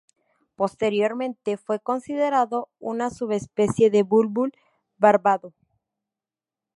Posteriormente fue considerado una subespecie del bulbul barbado.